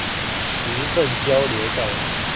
十份交流道